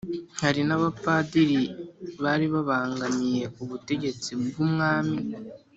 hari n'abapadiri bari babangamiye ubutegetsi bw'umwami